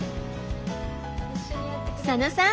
佐野さん